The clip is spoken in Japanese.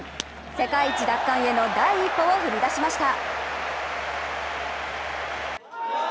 世界一奪還への第一歩を踏み出しました。